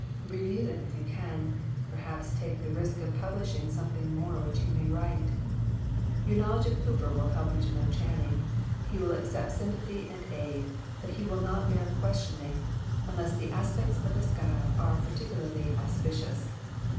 Review them if you can, perhaps take the risk of publishing something more which he may write. Your knowledge of Cowper will help you to know Channing. He will accept sympathy and aid, but he will not bear questioning, unless the aspects of the sky are particularly auspicious.